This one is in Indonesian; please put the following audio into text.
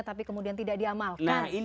tapi kemudian tidak diamalkan